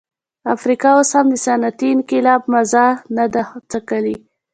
افریقا اوس هم د صنعتي انقلاب مزه نه ده څکلې.